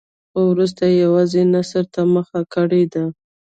خو وروسته یې یوازې نثر ته مخه کړې ده.